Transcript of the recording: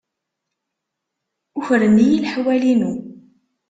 Ukren-iyi leḥwal-inu.